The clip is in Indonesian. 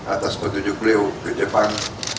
atas petunjuk beliau ke jepang